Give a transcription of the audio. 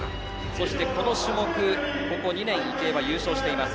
そして、この種目ここ２年池江は優勝しています。